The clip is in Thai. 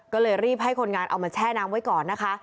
ก็เลยรีบให้คนงานเอามาแช่น้ำไว้ก่อนนะคะ